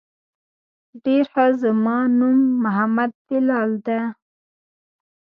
ډېر ښه زما نوم محمد بلال ديه.